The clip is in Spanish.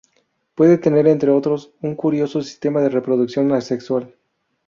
Puede tener, entre otros, un curioso sistema de reproducción asexual.